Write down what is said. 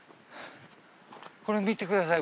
これ見てください